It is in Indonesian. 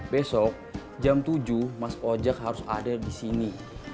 besok jam tujuh mas ojek harus ada di sini